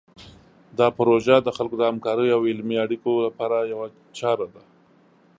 دا پروژه د خلکو د همکاریو او علمي اړیکو لپاره یوه چاره ده.